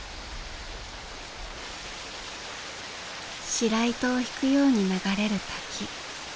白糸を引くように流れる滝。